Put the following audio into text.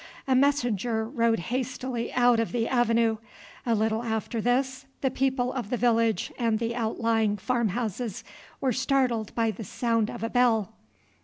A messenger rode hastily out of the avenue. A little after this the people of the village and the outlying farm houses were startled by the sound of a bell.